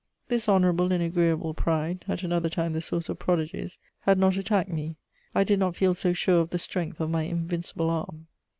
This honourable and agreeable pride, at another time the source of prodigies, had not attacked me: I did not feel so sure of the strength of my invincible arm.